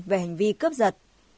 về hành vi cướp giật